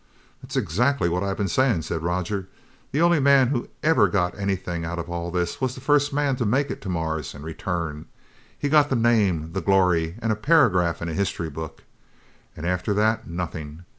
"That's exactly what I've been saying!" said Roger. "The only man who ever got anything out of all this was the first man to make it to Mars and return. He got the name, the glory, and a paragraph in a history book! And after that, nothing!"